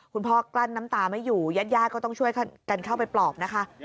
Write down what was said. คุณพ่อกลั้นน้ำตาไม่อยู่ยัดยาก็ต้องช่วยกันเข้าไปปลอบนะคะ